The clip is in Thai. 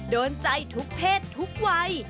โดนใจทุกเพศทุกวัย